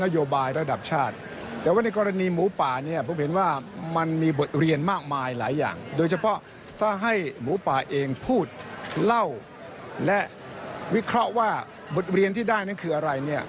ถ้าให้หมูป่าเองพูดเล่าและวิเคราะห์ว่าบทเรียนที่ได้นั้นคืออะไรเนี่ย